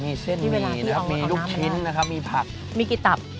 ที่เวลาที่เอาน้ำนะครับมีเส้นมีมีลูกชิ้นนะครับมีผักมีกี่ตับ